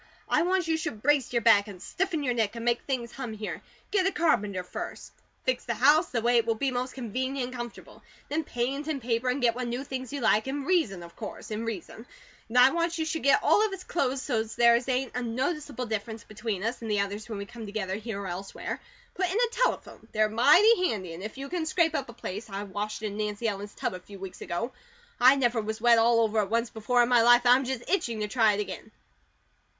I want you should brace your back, and stiffen your neck, and make things hum here. Get a carpenter first. Fix the house the way it will be most convenient and comfortable. Then paint and paper, and get what new things you like, in reason of course, in reason and then I want you should get all of us clothes so's there ain't a noticeable difference between us and the others when we come together here or elsewhere. Put in a telephone; they're mighty handy, and if you can scrape up a place I washed in Nancy Ellen's tub a few weeks ago. I never was wet all over at once before in my life, and I'm just itching to try it again.